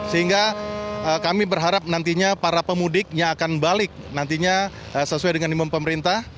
sehingga kami berharap nantinya para pemudik yang akan balik nantinya sesuai dengan imun pemerintah